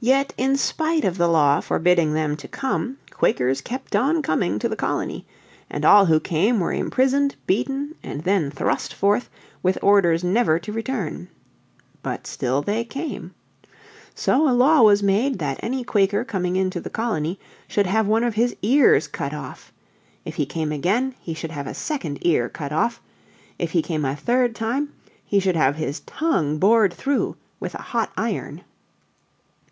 Yet in spite of the law forbidding them to come, Quakers kept on coming to the colony, and all who came were imprisoned, beaten, and then thrust forth with orders never to return. But still they came. So a law was made that any Quaker coming into the colony should have one of his ears cut off; if he came again he should have a second ear cut off; if he came a third time he should have his tongue bored through with a hot iron.